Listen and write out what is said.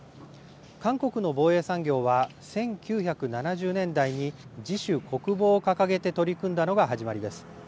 韓国の防衛産業は、１９７０年代に自主国防を掲げて取り組んだのが始まりです。